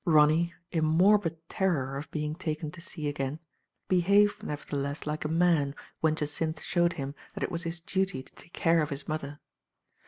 Ronny, in morbid terror of being taken to sea again, behaved, nevertheless, like a man, when Jacynth showed him that it was his duty to take care of his mother.